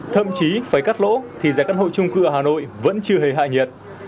thậm chí phải cắt lỗ thì giá căn hộ trung cư ở hà nội vẫn chưa hề hạ nhiệt